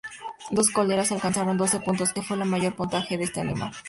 Dos colleras alcanzaron doce puntos, que fue el mayor puntaje de este animal.